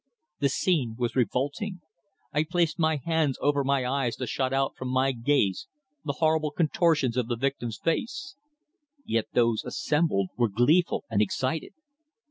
The scene was revolting. I placed my hands over my eyes to shut out from my gaze the horrible contortions of the victim's face. Yet those assembled were gleeful and excited.